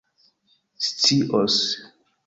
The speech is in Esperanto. scios